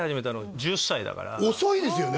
僕遅いですよね？